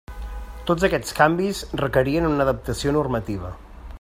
Tots aquests canvis requerien una adaptació normativa.